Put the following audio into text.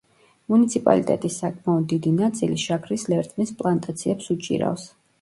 მუნიციპალიტეტის საკმაოდ დიდი ნაწილი შაქრის ლერწმის პლანტაციებს უჭირავს.